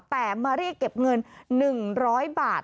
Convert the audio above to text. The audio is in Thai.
แต่มาเรียกเก็บเงิน๑๐๐บาท